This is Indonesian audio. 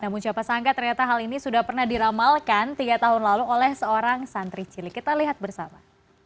namun siapa sangka ternyata hal ini sudah pernah diramalkan tiga tahun lalu oleh seorang santri cili kita lihat bersama